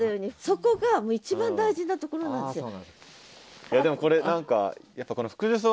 そこが一番大事なところなんですよ。